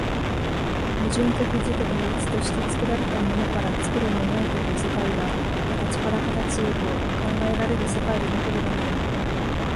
矛盾的自己同一として作られたものから作るものへという世界は、形から形へと考えられる世界でなければならない。